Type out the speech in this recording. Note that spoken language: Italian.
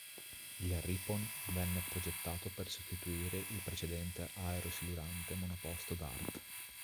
Il Ripon venne progettato per sostituire il precedente aerosilurante monoposto Dart.